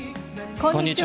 こんにちは。